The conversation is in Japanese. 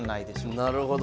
なるほど。